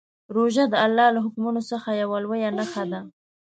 روژه د الله له حکمونو څخه یوه لویه نښه ده.